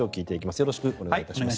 よろしくお願いします。